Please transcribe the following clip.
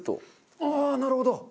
ああーなるほど！